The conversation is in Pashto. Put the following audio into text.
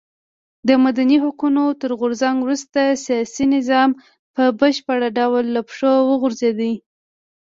د مدني حقونو تر غورځنګ وروسته سیاسي نظام په بشپړ ډول له پښو وغورځېد.